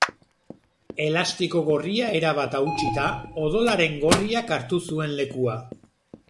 Elastiko gorria erabat hautsita, odolaren gorriak hartu zuen lekua.